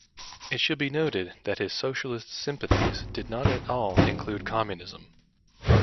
It should be noted that his socialist sympathies did not at all include communism.